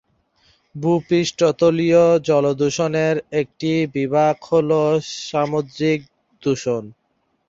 ভূপৃষ্ঠতলীয় জল দূষণের একটি বিভাগ হল সামুদ্রিক দূষণ।